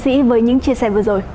cảm ơn tiền sĩ với những chia sẻ vừa rồi